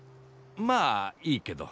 まあいいけど。